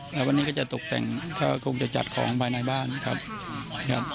แล้ววันนี้ก็จะตกแต่งก็คงจะจัดของภายในบ้านครับ